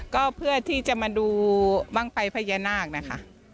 ก็เพื่อที่จะมาดูบ้างไฟพญานาคนะคะ